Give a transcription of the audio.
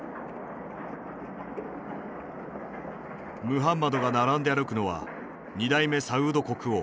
ムハンマドが並んで歩くのは２代目サウード国王。